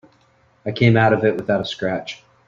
I came out of it without a scratch.